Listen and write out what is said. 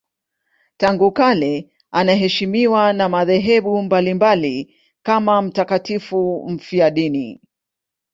Tangu kale anaheshimiwa na madhehebu mbalimbali kama mtakatifu mfiadini.